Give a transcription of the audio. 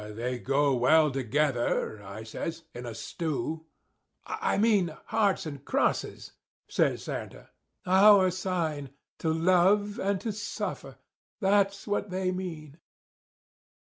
'They go well together,' I says, 'in a stew.' 'I mean hearts and crosses,' says Santa. 'Our sign—to love and to suffer—that's what they mean.